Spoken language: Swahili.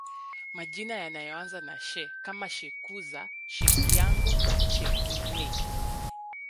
Majina yanayoanza na She kama Shekusa Shekiango Shekimwei